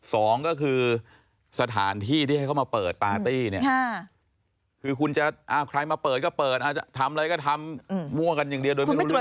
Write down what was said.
สองก็คือสถานที่ที่ให้เขามาเปิดปาร์ตี้นี่